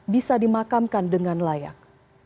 bisa dimakamkan dengan layak